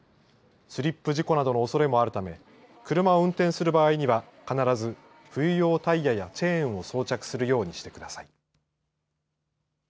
スリップ事故などのおそれもあるため車を運転する場合には必ず冬用タイヤやチェーンを装着するようにしてください。